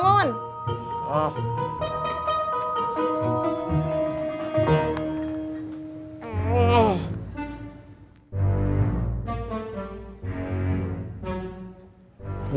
kau ingin coba mimpi